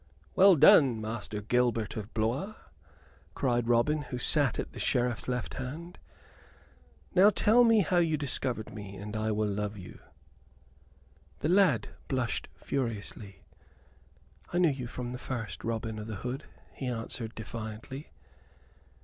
"Well done, Master Gilbert of Blois!" cried Robin, who sat at the Sheriff's left hand. "Now tell me how you discovered me, and I will love you " The lad blushed furiously. "I knew you from the first, Robin o' th' Hood," he answered, defiantly.